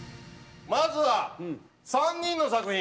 まずは３人の作品。